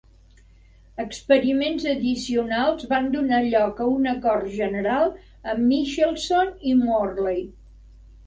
Experiments addicionals van donar lloc a un acord general amb Michelson y Morley.